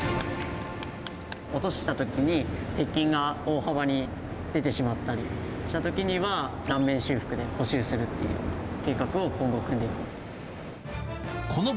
落としたときに、鉄筋が大幅に出てしまったりしたときには、断面修復で補修するという計画を今後組んでいく。